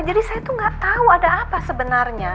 jadi saya tuh nggak tau ada apa sebenarnya